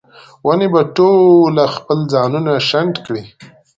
ونې به ټوله خپل ځانونه شنډ کړي